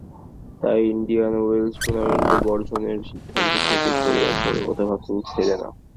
তাই Indian Wells tournament বর্জনের সিদ্ধান্ত থেকে সরে আসার কথা ভাবছেন সেরেনা।